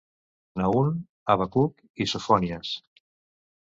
Nahum, Habacuc i Sofonies.